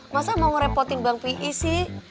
masa mau ngerepotin bang pih sih